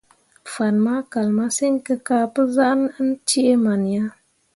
Fan ma kal masǝŋ kǝ ka pǝ zah ʼnan cee man ya.